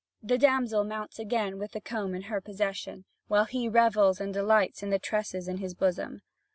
The damsel mounts again with the comb in her possession; while he revels and delights in the tresses in his bosom.